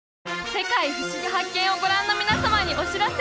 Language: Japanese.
「世界ふしぎ発見！」をご覧の皆様にお知らせ！